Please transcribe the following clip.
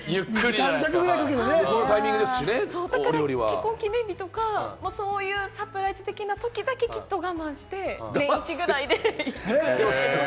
結婚記念日とか、そういうサプライズ的なときだけきっと我慢して、年イチぐらいで行くって。